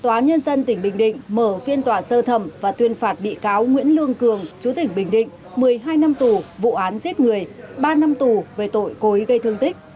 tòa nhân dân tỉnh bình định mở phiên tòa sơ thẩm và tuyên phạt bị cáo nguyễn lương cường chú tỉnh bình định một mươi hai năm tù vụ án giết người ba năm tù về tội cố ý gây thương tích